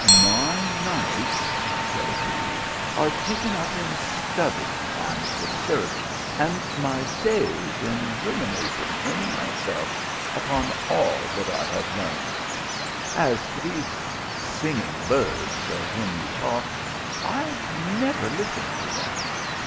" My nights," said he, " are taken up in study and research, and my days in ruminating in my ceV upon all that I have learnt. As to these singing birds of whom you talk, 1 never listen to them.